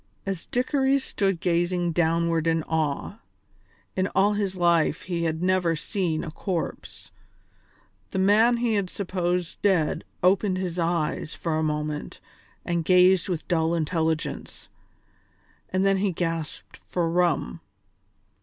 As Dickory stood gazing downward in awe in all his life he had never seen a corpse the man he had supposed dead opened his eyes for a moment and gazed with dull intelligence, and then he gasped for rum.